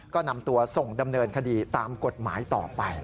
ก็นำตัวส่งดำเนินคดีตามกฎหมายต่อไป